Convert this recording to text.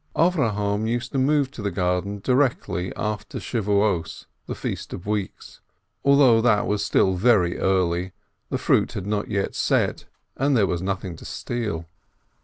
Avrohom used to move to the garden directly after the Feast of "Weeks, although that was still very early, the fruit had not yet set, and there was nothing to steal.